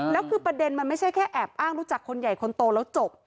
แล้วคือประเด็นมันไม่ใช่แค่แอบอ้างรู้จักคนใหญ่คนโตแล้วจบ